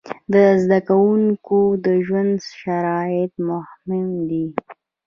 د زده کوونکو د ژوند شرایط مهم دي.